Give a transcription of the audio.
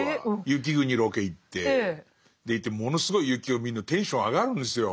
雪国ロケ行ってでいてものすごい雪を見るのテンション上がるんですよ